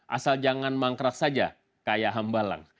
asal jangan mangkrak saja kayak hambalang